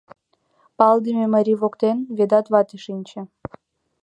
Палыдыме марий воктен Ведат вате шинче.